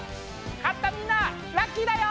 勝ったみんなはラッキーだよ！